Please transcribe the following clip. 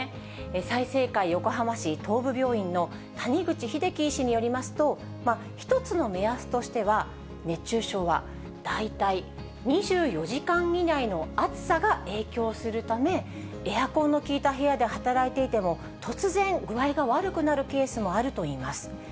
済生会横浜市東部病院の谷口英喜医師によりますと、一つの目安としては、熱中症は大体２４時間以内の暑さが影響するため、エアコンの効いた部屋で働いていても、突然、具合が悪くなるケースがあるといいます。